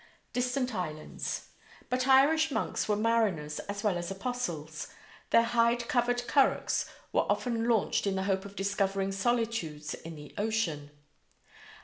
DISTANT ISLANDS: But Irish monks were mariners as well as apostles. Their hide covered currachs were often launched in the hope of discovering solitudes in the ocean.